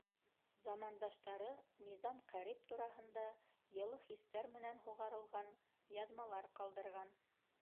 Замандаштары Низам Ҡәрип тураһында йылы хистәр менән һуғарылған яҙмалар ҡалдырған.